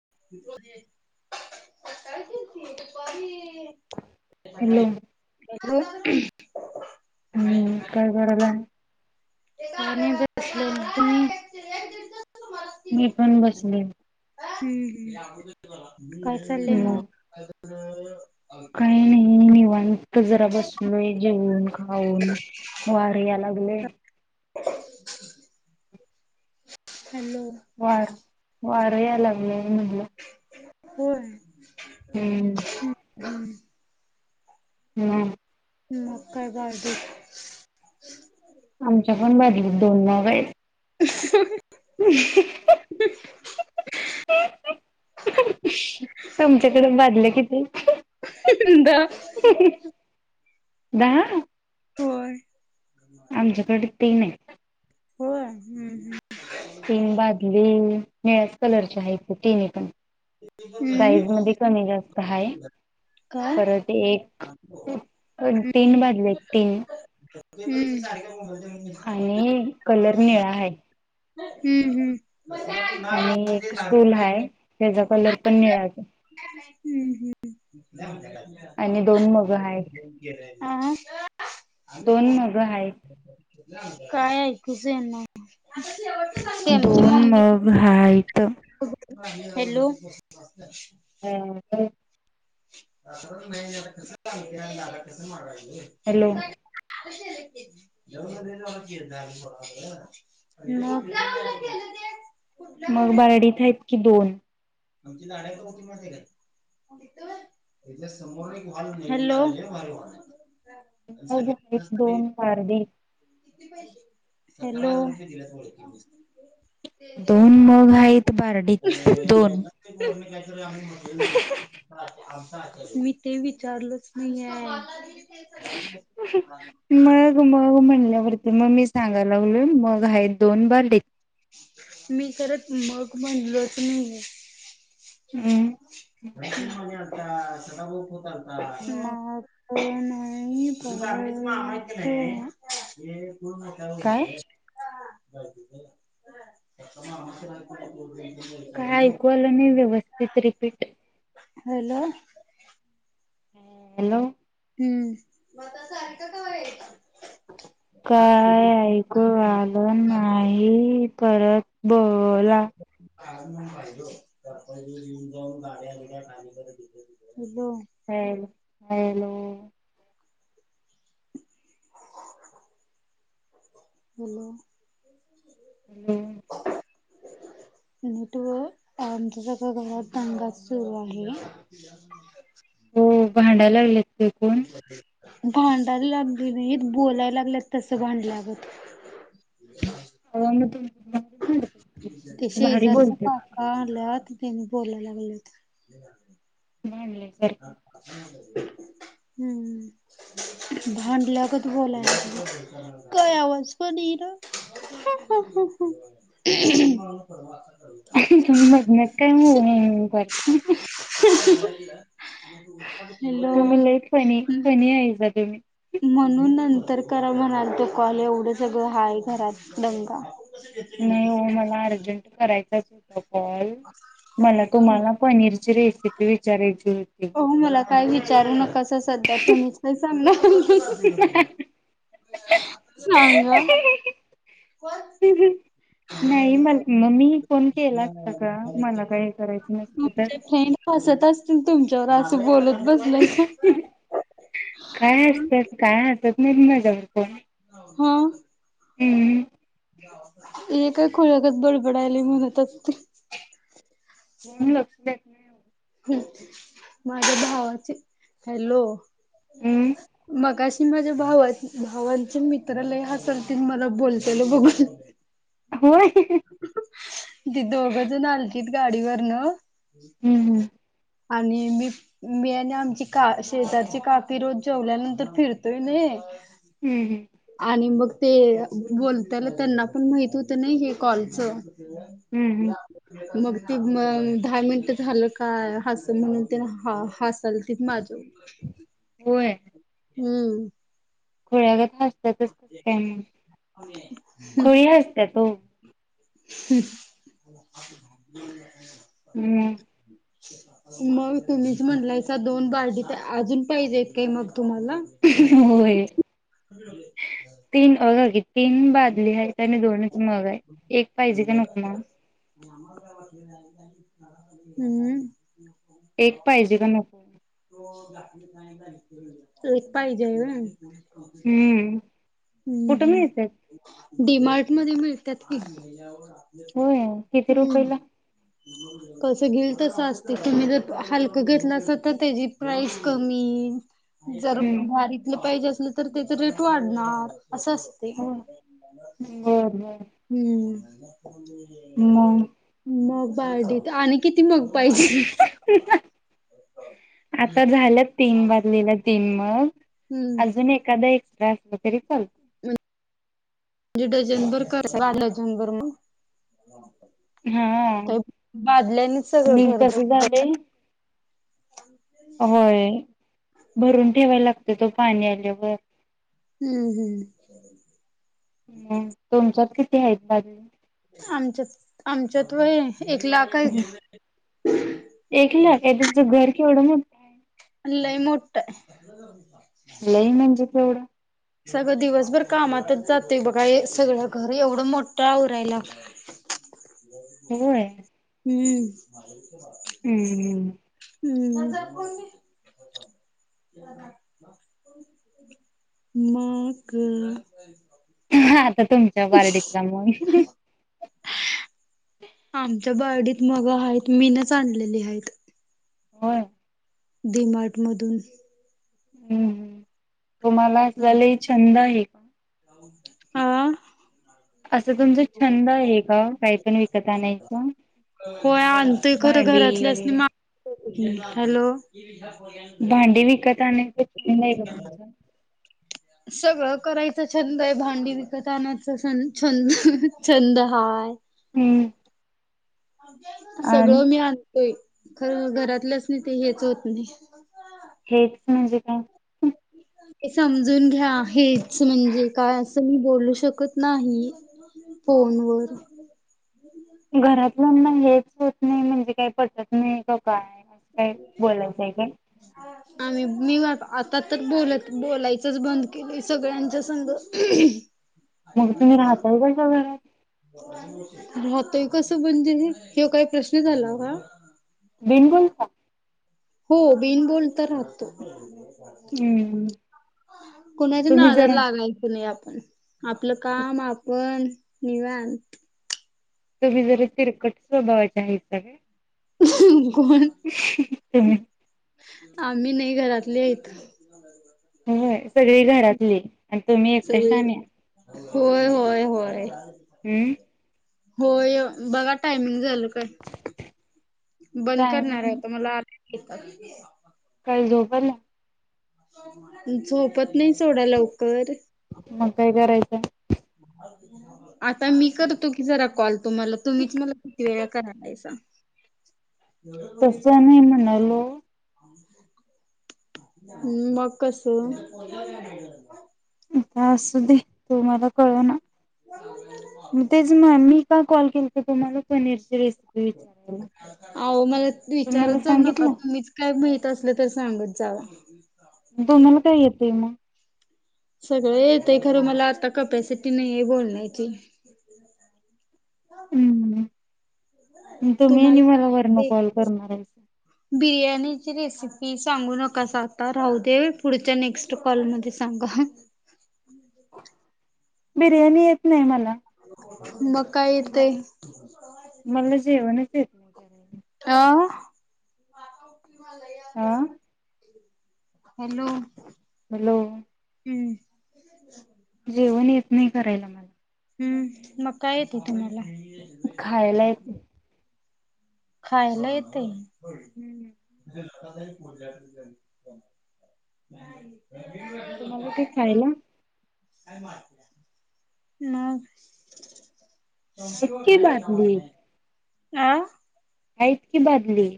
प हॅलो हो हम्म काय करायलाय आणि ब तु मी पण बसले. हम्म् काय चाले मग ना काही नाही निवांत जरा बसलोय जेवून खाऊन वार या लागले हॅलो वार वार याय लागलं म्हणलं होय हम्म हम्म मकय बारध आमच्या पण बाजू दोन नाग आहेत तुमच्याकडे वाजले किती अंद द होय आमच्याकडे ते नाही होय हम्म हम् तीन बाजली निळ्याच कलरच्या आहे तिन पण साईज हम्म मध्ये कमी जास्त ह परत एक तीन बाजले एक तीन हम्म. आणि कलर निळा हाय. हम्म हम्म. आणि एक स्टूल हाय त्याचा कलर पण निळाचे. हम्म [inaudible] आणि दोन मग हायेत आ दोन मग हायेत. काय ऐकूच येयना सॅमची मम्मी. त. हॅलो. [unintelligible] हॅलो [unintelligible] मग. मग बारडी हाइथं इतकी दोन. आमच्या नाडचा बकि का [unintelligible] हॅलो. बुकीत दोन पारडी. हॅलो. दोन मग आहेत बारडीत दोन. मी ते विचारलच नाही आहे. मग मव म्हणल्यावरती. तर मग मी सांगायला लागलोय मग हायेत दोन बारडीत. मी खरच मग म्हणलोच नाही ये. हम्म. हो मग [unintelligible] प काय [unintelligible] म [unintelligible] काय ऐकूयलं नाही व्यवस्थित रिपीट. हॅलो. ह हॅलो. हम्म. काय ऐकू आलं नाही परत बोला. का नाही फायो तर येिऊन जाऊन गाड्यागाेत [unintelligible] हलो. Hello hello. हॅलो. हम्म. नीट व आमच्या स गावात दंगा सुरू आहे. हो भांडायला लागलेत. ते कोण? ह [inaudible] भांडायला लागली नाहीत बोलायला लागलेत तस भांडल्यागत. [unintelligible] ते म्हणजे भारी शेजारीचा बोलतेत की काका आला त त्यांनी बोलायला लागलेत. भांडल्यासारखं हम्म. भांडल्यागत बोलाय काय आवाज पणयेर. ह ह ह. तुम्ही मधनच काय हू हू हू करता. हॅलो. तुम्ही लई फणी फणी आहेसा तुम्ही. म्हणून नंतर करा म्हणालते कॉल एवढं सगळं हाय घरात दंगा. नाही हो मला अर्जंट करायचाच होता. मला तुम्हाला पनीरची रेसिपी विचारायची हो मला काय विचारू नकास सध्या तुम्हीच सम सांग हम् नाही म मग मी फोन केला असता का मला काही करायचं नसत तर असत असतील तुमच्यावर असं बोलत बसलायसा. काय असतात काय असतात नाही माझ्यावर कोण हा हम्म हे काय खुळगच बडबडायला म्हणतच ते हम् लक्ष नाही माझ्या भावाचे हॅलो हम्म म की माझ्या भा भावांच्या मित्रालाय ह्या सर्तीत मला बोलताल बघून होय गाडीवर न हम्म आणि मी मी आणि आमची का शेजारची कापी रोज जेवल्यानंतर फिरतोय नाही हम्म आणि मग ते बोलताना त्यांना पण माहित होत नाही हे कॉलच हम्म ते दहा मिनिट झालं काय हस म्हणून हस चलती माझव हम्म खोळ्याग हसत्याातच कसतय मग खोळी हसत्यात हो हम्म मग तुम्हीच म्हटलाय दोन बारडी तर अजून पाहिजेेत काही मग तुम्हाला? होय तीन अघा किती तीन बादली आहेत आणि दोनच मग आहे एक पाहिजे का नकमाग हम्म एक पाहिजे का नक एक पाहिजे ना हम्म कुठून येतच डडीमार्ट मध्ये मिळतात की हम् होय किती रुपयला कसं घेईल तसं असते तुम्ही जर हलकं घेतला अस तर त्याची प्राइस कमी जर हम्म भारीतलं पाहिजे असलं तर त्याच रेट वाढणार असं असते होय बर बर हम्म मग मग बाडीत आणि किती त मग पाहिजे आता झालं तीन बाजलेला तीन मग हम्म अजून एखादा एक त्या अस तरी चालत म्हणजे डजनभर कराय डजनभर मग हा का बादल्याने सगळं आणि घरर कसं ह झालंय होय भरून ठेवायला लागत तो पाणी आल्यावर हम्म हम्म हम् तुमच्यात किती आहेत भाजू आमच्यात आमच्यात वय एक लाख एक लाख आहे तुमचं घर केवढं मोठं आहे नाहीई मोठा लई म्हणजे तेवढं सगळं दिवसभर कामातच जातंय बघा सगळं घर एवढं मोठं आवरायला हम्म हम्म हम्म हम्म माग आता तुमच्या पार्टतला मु आमच्या बयडीत मग आहेत मीनच आणलेली आहेत हो मार्ट मधून हम्म् तुम्हालाला छंद आहे का आा असं तुमचा छंद आहे का काही पण विकत आणायच होय आणत खरं घरातलं अस मा हॅलो भांडे विकत आण आहे का तुमचं सगळं करायचं छंद आहे भांडी विकत आणयच छंद छंद हा आहे हम्म आणि सगळं मी आणतोय खरं घरातलंच नाही ते हेच होत नाही म्हज का समजून घ्या हेच म्हणजे काय असं मी बोलू शकत नाही फोन वर घरातल्याना हेच होत नाही म्हणजे काही पटत नाही काय असं काय बोलायचं आहे काय आम्ही मी आता तर बोलत बोलायचंच बंद केलंय सगळ्यांच्या संघ मग तुम्ही राहताय कशा घरात राहतोय कसं म्हणजे किववा काही प्रश्न झाला का बिनकुल का हो बिनबोल तर राहतो हम्म कोुणाच्या तुम्ही नाद जरा लागायचं नाही आपण आपलं काम आपण निव्यान तुम्ही जरी तिरकट स्वभावाच्या आहे सगळे कोण म आम्ही नाही घरातली आहेतथ होय सगळी घरातली आणि तुमही एकटश सगळी आण या होय होय होय हम्म हो बघा टायमिंग झालं बंद करणार टायमिंग होता मलाेतात कल झोबर ना झोपत नाही सोडा लवकर मग काय करायचं? आता मी करतो की जरा कॉल तुम्हाला तुम्हीच मला किती वेळा करालायचा तसं नाही म्हणालो ् मग कसं ता असू दे तु म्हाला कळव ना मग तेच म मी का कॉल केल का तुम्हाला पनीरचीि आहो मला तुम्हाला विचारत जाऊ नका सांगितलं तुम्हीच काय माहि अस तर सांगत जाव तुम्हाला काय येतय मग सगळं ते खरं मला आता कपॅसिटी नाही आहे बोलण्याची हम् तुम्ही तुम्हाला आणि काय मला वर्ण येतय कॉल करणार आहे बिर्याणीची रेसिपी सांगू नका स आता राहू दे पुढच्या नेक्स्ट कॉलमध्ये सांगा ह [inaudible] बिर्याणी येत नाही मला. म काय येतय मला जेवणच येत नाही कराय अ! आह! हॅलो. हॅलो. हूं! जेवण येत नाही करायला मला हूं मग काय येते तुम्हाला. खायला येत. खायला येतय. हूं! [unintelligible] तुम्हाला येत खायला? मग इतकी बादली आह! आहेत कि बादली.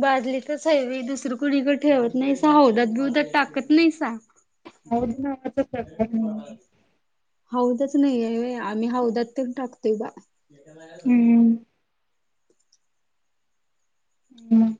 बादली तच हाय व्हयं दुसरं कुणीकं ठेवत नाहीसा हौदात बिवदात टाकत नाहीसा हौद नावाचा प्रकार नाही आहे. हौदच नाही आहे, वय आम्ही हौदात तरी टाकतोय बा. हम्म हूं!